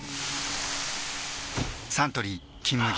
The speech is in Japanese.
サントリー「金麦」